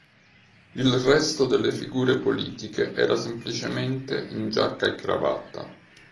Il resto delle figure politiche era semplicemente in giacca e cravatta.